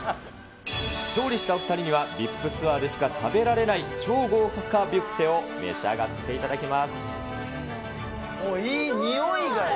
勝利したお２人には、ＶＩＰツアーでしか食べられない超豪華ビュッフェを召し上がっていい匂いがね。